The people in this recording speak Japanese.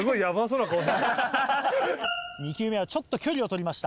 ２球目はちょっと距離を取りました。